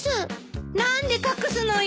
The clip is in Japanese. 何で隠すのよ！